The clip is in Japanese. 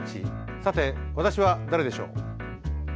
さて、私は誰でしょう？